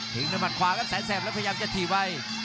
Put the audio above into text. ถึงแต่มัดขวาแสนแสบและพยายามจะถี่ไป